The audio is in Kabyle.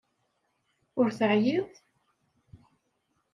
Ur teɛyiḍ?